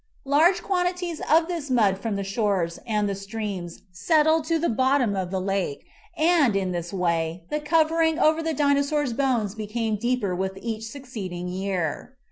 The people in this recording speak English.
Large quantities of this mud from the shores and the streams settled to the bottom of the lake, and, in this way, the cover ing over the Dinosaur's bones became deeper with each succeeding year.